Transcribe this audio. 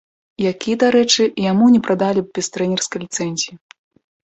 Які, дарэчы, яму не прадалі б без трэнерскай ліцэнзіі.